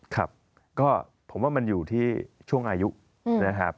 ครับก็ผมว่ามันอยู่ที่ช่วงอายุนะครับ